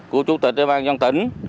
của chủ tịch địa bàn dân tỉnh